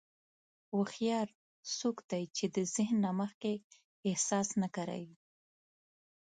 هوښیار څوک دی چې د ذهن نه مخکې احساس نه کاروي.